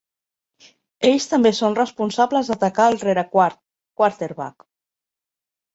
Ells també són responsables d'atacar al rerequart (quarterback).